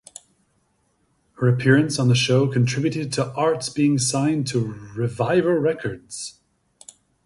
Her appearance on the show contributed to Arts being signed to Reviver Records.